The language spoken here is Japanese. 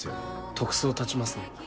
特捜立ちますね。